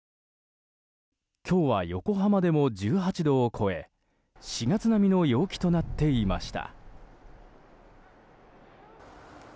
今日は横浜でも１８度を超え４月並みの陽気となっていました。